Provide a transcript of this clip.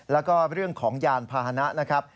แล้วก็เรื่องของยานพาหนะนะครับ